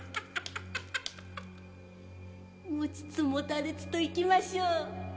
持ちつ持たれつと行きましょう！